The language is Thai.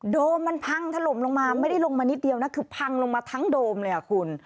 โมมันพังถล่มลงมาไม่ได้ลงมานิดเดียวนะคือพังลงมาทั้งโดมเลยอ่ะคุณ